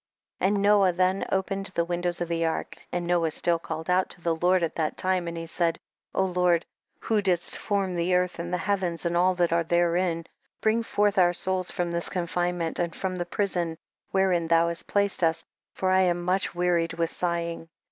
36. And Noah then opened the windows of the ark, and Noah still called out to the Lord at that time and he said, O Lord, who didst form the earth and the heavens and all that are therein, bring forth our souls from this confinement, and from the prison wherein thou hast placed us, for I am much wearied with sighing.